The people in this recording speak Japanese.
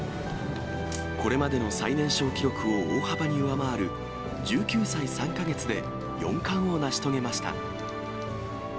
これまでの最年少記録を大幅に上回る１９歳３か月で四冠を成し遂げました。